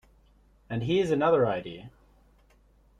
And here's another idea.